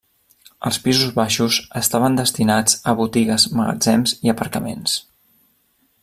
Els pisos baixos estaven destinats a botigues, magatzems i aparcaments.